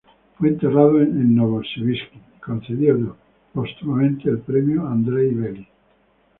Fue enterrado en Novosibirsk y concedido póstumamente el premio Andrei Bely.